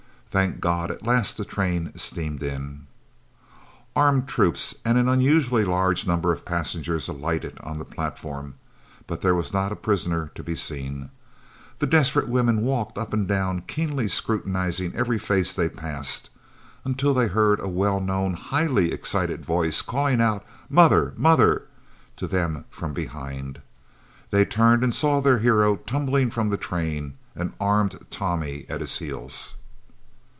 Thank God, at last the train steamed in. Armed troops and an unusually large number of passengers alighted on the platform, but there was not a prisoner to be seen. The desperate women walked up and down, keenly scrutinising every face they passed, until they heard a well known, highly excited voice calling out "Mother! Mother!" to them from behind. They turned and saw their hero tumbling from the train, an armed Tommy at his heels.